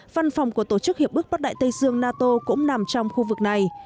văn phòng của tổ chức hiệp ước bắc đại tây dương nato cũng nằm trong khu vực này